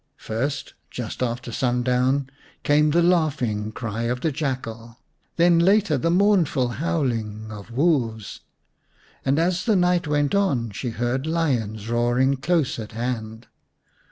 First, just after sundown, came the laughing cry of the jackal ; then later the mournful howling of wolves ; and as the night went on she heard lions roaring close at hand.